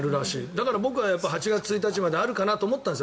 だから僕は８月１日まであるかなと思ったんです。